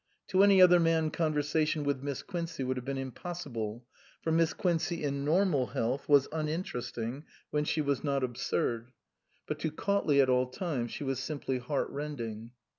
To any other man con versation with Miss Quincey would have been impossible ; for Miss Quincey in normal health was uninteresting when she was not absurd. But to Cautley at all times she was simply heart rending.